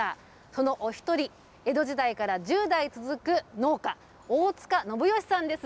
そのお一人、江戸時代から１０代続く農家、大塚信美さんです。